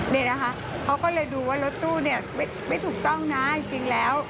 นี่นะคะเขาก็เลยดูว่ารถตู้เนี่ยไม่ถูกต้องนะจริงแล้ว